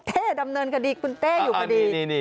เท่ดำเนินกันดีคุณเท่อยู่กันดี